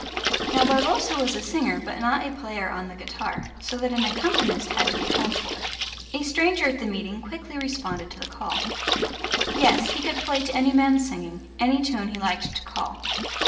Now Barboza was a singer but not a player on the guitar, so that an accompanist had to be called for. A stranger at the meeting quickly responded to the call. Yes, he could play to any man's singing any tune he liked to call.